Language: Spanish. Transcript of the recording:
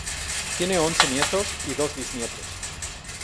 Tiene once nietos y dos bisnietos